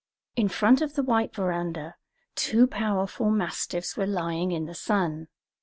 In front of the white veranda two powerful mastiffs were lying in the sun.